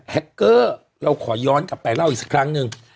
แคคเกอร์เราขอย้อนกลับไปเล่าอีกสักครั้งหนึ่ง